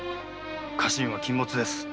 過信は禁物です。